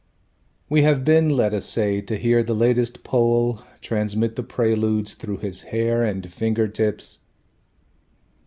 We have been, let us say, to hear the latest Pole Transmit the Preludes, through his hair and finger tips.